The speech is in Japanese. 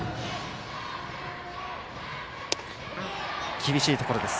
厳しいところです。